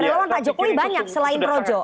relawan pak jokowi banyak selain projo